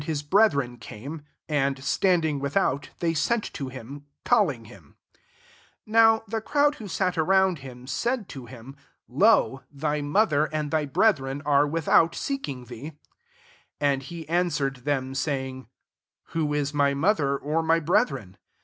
his brethren came; and, stand ing without, they sent to him, [calling him], 32 Now the crowd who sat around him, said to him, " Lo ! thy mother, and thy brethren, arc without seek ing thee.'' 33 And he answer ed them, saying, <* Who is my mother, or my brethren